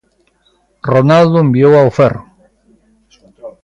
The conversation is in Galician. Ronaldo enviou ao ferro.